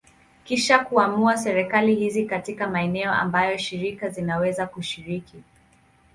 Kisha kuamua serikali hizi katika maeneo ambayo shirika zinaweza kushiriki.